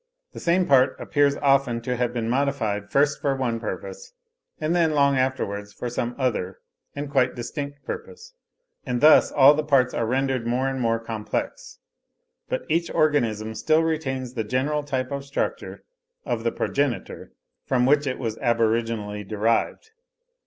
The same part appears often to have been modified first for one purpose, and then long afterwards for some other and quite distinct purpose; and thus all the parts are rendered more and more complex. But each organism still retains the general type of structure of the progenitor from which it was aboriginally derived.